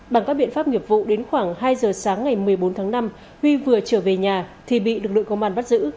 bằng các biện pháp nghiệp vụ đến khoảng hai giờ sáng ngày một mươi bốn tháng năm huy vừa trở về nhà thì bị lực lượng công an bắt giữ